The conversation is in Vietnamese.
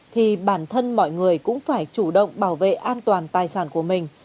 thì bản thân mọi người cũng phải chủ động bảo vệ an toàn tài sản của mình